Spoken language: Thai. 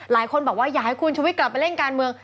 หลายคนบอกว่าอยากให้คุณชุวิตกลับไปเล่นการเมือง